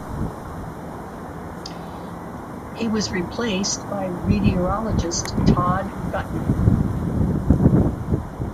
He was replaced by meteorologist Todd Gutner.